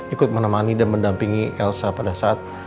ikut menemani dan mendampingi elsa pada saat